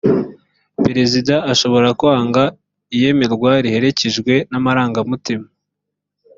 perezida ashobora kwanga iyemerwa riherekejwe n’amarangamutima